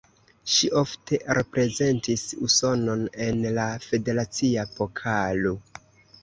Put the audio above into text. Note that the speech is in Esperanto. Ŝi ofte reprezentis Usonon en la Federacia Pokalo.